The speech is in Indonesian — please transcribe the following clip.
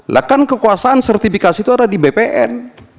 lah kan kekuasaan sertifikasi itu ada di bpn